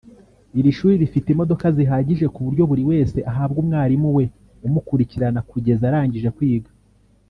Iri shuri rifite imodoka zihagije ku buryo buri wese ahabwa umwarimu we umukurikirana kugeza arangije kwiga